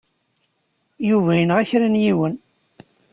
Yuba yenɣa kra n yiwen.